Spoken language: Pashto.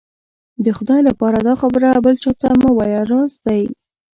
د خدای لهپاره دا خبره بل چا ته مه وايه، راز دی.